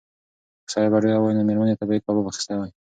که سړی بډایه وای نو مېرمنې ته به یې کباب اخیستی و.